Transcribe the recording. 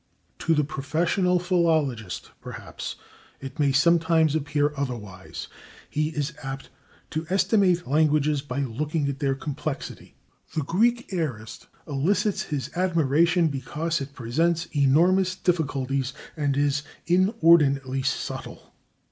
To the professional philologist, perhaps, it may sometimes appear otherwise. He is apt to estimate languages by looking at their complexity; the Greek aorist elicits his admiration because it presents enormous difficulties and is inordinately subtle.